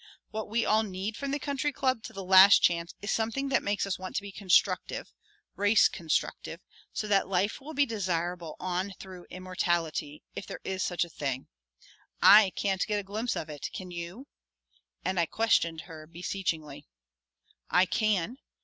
What we all need from the Country Club to the Last Chance is something that makes us want to be constructive, race constructive, so that life will be desirable on through immortality, if there is such a thing. I can't get a glimpse of it. Can you?" and I questioned her beseechingly. "I can.